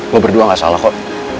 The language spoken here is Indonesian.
gue berdua gak salah kok